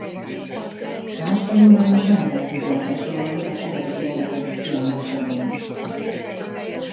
Más tanulmányok nehezen tudják besorolni az eredeti leletanyag hiányossága miatt.